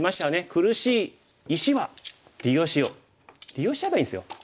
「苦しい石は利用しよう」利用しちゃえばいいんですよ。